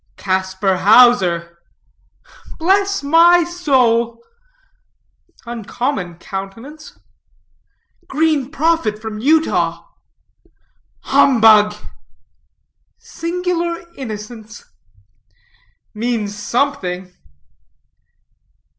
"Casper Hauser." "Bless my soul!" "Uncommon countenance." "Green prophet from Utah." "Humbug!" "Singular innocence." "Means something."